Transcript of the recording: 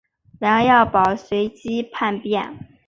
梁耀宝随即叛变。